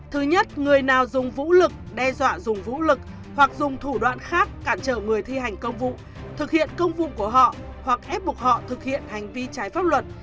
thứ nhất người nào dùng vũ lực đe dọa dùng vũ lực hoặc dùng thủ đoạn khác cản trở người thi hành công vụ thực hiện công vụ của họ hoặc ép buộc họ thực hiện hành vi trái pháp luật